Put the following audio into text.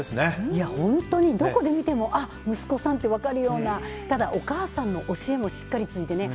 いや本当にどこを見ても息子さんと分かるようなただお母さんの教えもしっかり継いでね。